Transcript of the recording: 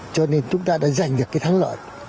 cho nên chúng ta đã giành được cái thắng lợi